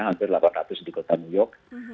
hampir delapan ratus di kota new york